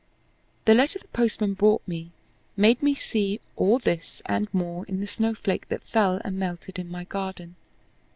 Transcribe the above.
The letter the postman brought made me see all this and more in the snowflake that fell and melted in my garden.